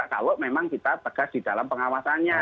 kalau memang kita tegas di dalam pengawasannya